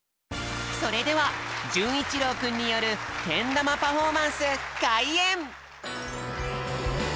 それではじゅんいちろうくんによるけんだまパフォーマンスかいえん！